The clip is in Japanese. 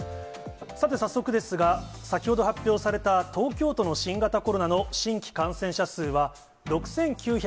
さて早速ですが、先ほど発表された東京都の新型コロナの新規感染者数は６９２２人。